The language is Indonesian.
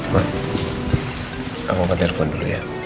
mama aku mau ke telepon dulu ya